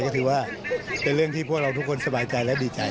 ก็ถือว่าเป็นเรื่องที่พวกเราทุกคนสบายใจและดีใจ